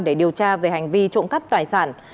để điều tra về hành vi trộm cắp tài sản